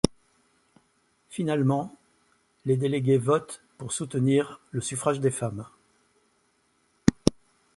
Finalement, les déléguées votent pour soutenir le suffrage des femmes.